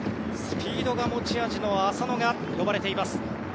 スピードが持ち味の浅野が呼ばれています。